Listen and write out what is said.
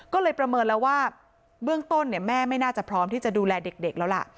ก็เลยประเมินแล้วว่าเบื้องต้นแม่ไม่น่าจะพร้อมที่จะดูแลเด็กแล้วล่ะ